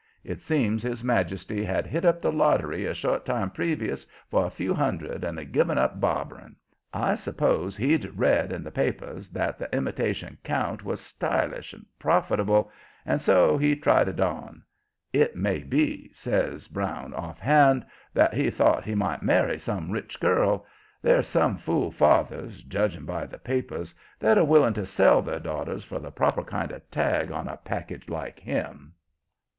It seems his majesty had hit up the lottery a short time previous for a few hundred and had given up barbering. I suppose he'd read in the papers that the imitation count line was stylish and profitable and so he tried it on. It may be," says Brown, offhand, "that he thought he might marry some rich girl. There's some fool fathers, judging by the papers, that are willing to sell their daughters for the proper kind of tag on a package like him."